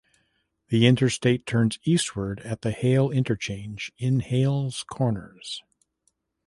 The Interstate turns eastward at the Hale Interchange in Hales Corners.